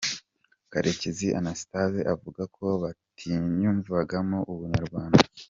Karekezi Anastase avuga ko batiyumvagamo ubunyarwanda.